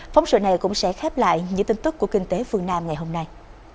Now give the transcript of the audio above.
phóng sự này cũng sẽ khép lại những tin tức của kinh tế phương nam ngày hôm nay